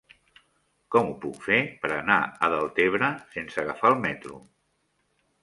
Com ho puc fer per anar a Deltebre sense agafar el metro?